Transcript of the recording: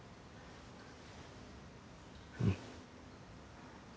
うん。